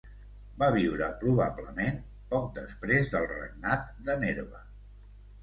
Va viure probablement poc després del regnat de Nerva.